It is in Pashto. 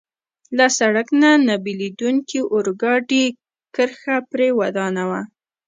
له سړک نه بېلېدونکې د اورګاډي کرښه پرې ودانوه.